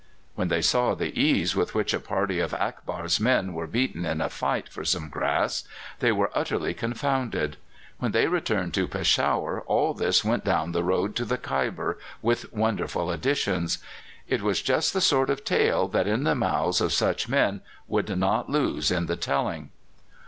When they saw the ease with which a party of Akbar's men were beaten in a fight for some grass they were utterly confounded. When they returned to Peshawar all this went down the road to the Khyber, with wonderful additions. It was just the sort of tale that in the mouths of such men would not lose in the telling.